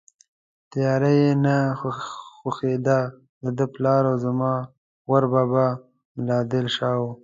تیاره یې نه خوښېده، دده پلار او زما غور بابا ملا دل شاه و.